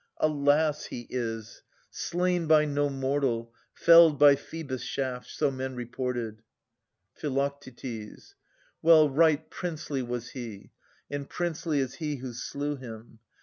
Alas ! he is, Slain by no mortal, felled by Phoebus' shaft : So men reported. Phi. Well, right princely was he ! And princely is he who slew him.